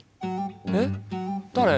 えっ誰？